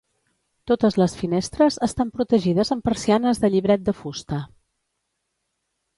Totes les finestres estan protegides amb persianes de llibret de fusta.